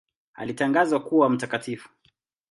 Alitangazwa kuwa mtakatifu.